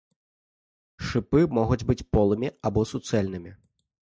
Шыпы могуць быць полымі або суцэльнымі.